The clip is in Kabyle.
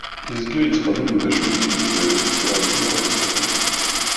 Yezga yettxemmim d acu it-id-ttrajun ɣer sdat.